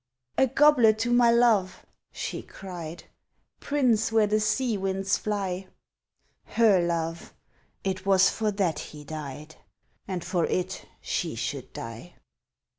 "A goblet to my love!" she cried, "Prince where the sea winds fly!" (Her love! it was for that he died, And for it she should die.)